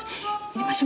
cantik cantik lagi mas